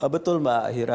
betul mbak hira